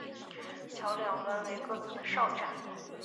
桥两端为各自的哨站。